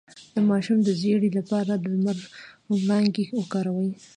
د ماشوم د ژیړي لپاره د لمر وړانګې وکاروئ